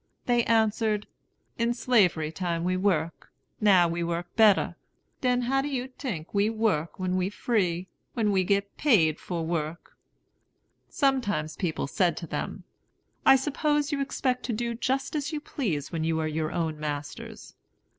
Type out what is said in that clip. They answered, "In Slavery time we work; now we work better; den how you tink we work when we free, when we get paid for work!" Sometimes people said to them, "I suppose you expect to do just as you please when you are your own masters?"